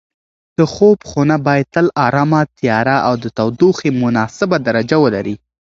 د خوب خونه باید تل ارامه، تیاره او د تودوخې مناسبه درجه ولري.